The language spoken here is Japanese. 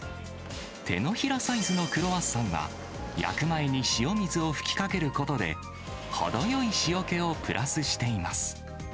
手のひらサイズのクロワッサンは、焼く前に塩水を吹きかけることで、程よい塩気をプラスしています。